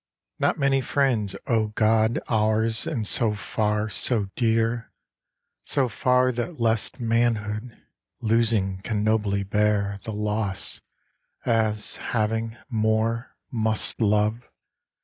Not many friends, O God, Ours, and so far, so dear. So far that less manhood, Losing, can nobly bear The loss, as, having, more Must love.